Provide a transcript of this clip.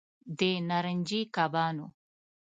د نارنجي کبانو